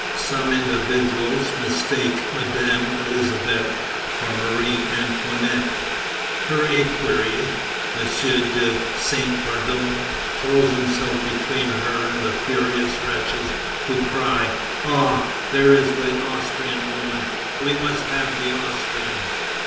Some individuals mistake Madame Elisabeth for Marie Antoinette. Her equerry, M. de Saint Pardoux, throws himself between her and the furious wretches, who cry: "Ah! there is the Austrian woman; we must have the Austrian!"